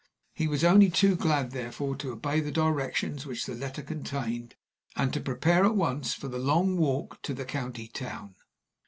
He was only too glad, therefore, to obey the directions which the letter contained, and to prepare at once for his long walk to the county town.